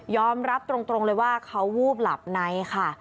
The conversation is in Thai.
รับตรงเลยว่าเขาวูบหลับในค่ะ